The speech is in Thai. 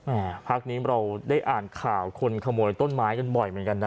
พักนี้เราได้อ่านข่าวคนขโมยต้นไม้กันบ่อยเหมือนกันนะ